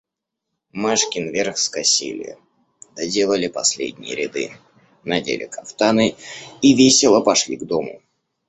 Машкин Верх скосили, доделали последние ряды, надели кафтаны и весело пошли к дому.